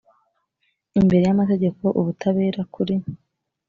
imbere y amategeko ubutabera kuri